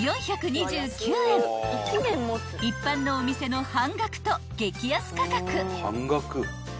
［一般のお店の半額と激安価格］